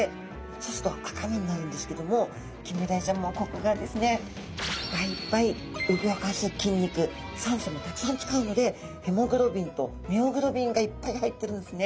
そうすると赤身になるんですけどもキンメダイちゃんもここがですねいっぱいいっぱい動かす筋肉酸素もたくさん使うのでヘモグロビンとミオグロビンがいっぱい入ってるんですね。